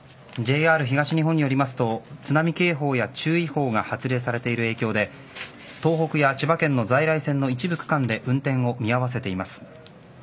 ＪＲ東日本によりますと津波警報や注意報が発令されている影響で東北や千葉県の在来線の一部区間で運転を見合わせています。